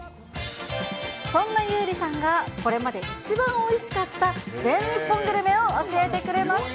そんな優里さんがこれまで一番おいしかった全日本グルメを教えてくれました。